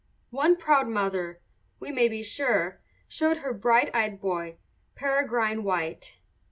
One proud mother, we may be sure, showed her bright eyed boy, Peregrine White.